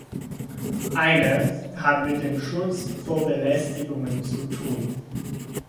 Eine hat mit dem Schutz vor Belästigungen zu tun.